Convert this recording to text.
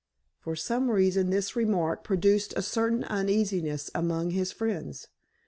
For some reason, this remark produced a certain uneasiness among his friends.